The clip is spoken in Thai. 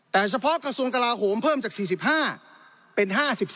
แต่เฉพาะกระทรวงกลาโหมเพิ่มจาก๔๕เป็น๕๓